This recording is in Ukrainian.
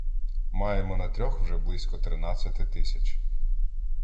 Маємо на трьох вже близько тринадцяти тисяч